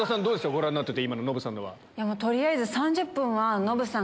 ご覧になってて今のノブさんは。